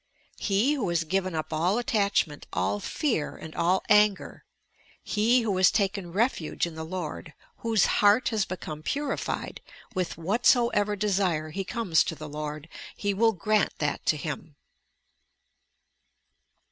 He, who has given up all attachment, all fear, and all anger, he who has taken YOUR PSYCHIC POWERS refuge in the Lord, whose heart has become purified, with whatsoever desire he comes to the Lord, he will grant that to him."